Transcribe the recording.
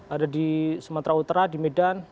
ada di sumatera utara di medan